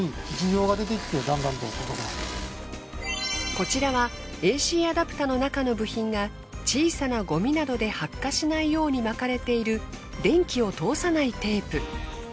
こちらはＡＣアダプタの中の部品が小さなゴミなどで発火しないように巻かれている電気を通さないテープ。